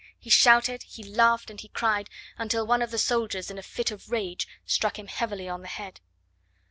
He shouted, he laughed, and he cried, until one of the soldiers in a fit of rage struck him heavily on the head.